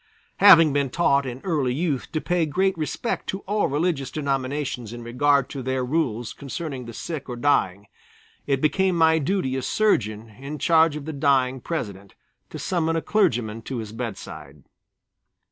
Having been taught in early youth to pay great respect to all religious denominations in regard to their rules concerning the sick or dying, it became my duty as surgeon in charge of the dying President to summon a clergyman to his bedside.